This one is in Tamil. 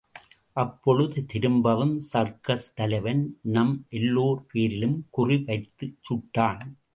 அப்பொழுது திரும்பவும் சர்க்கஸ் தலைவன் நம் எல்லோர் பேரிலும் குறி வைத்துச் சுட்டான்.